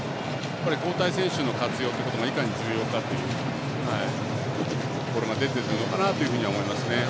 交代選手の活用がいかに重要かというところが出てるのかなと思います。